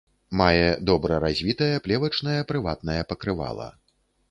Мае добра развітае плевачнае прыватнае пакрывала.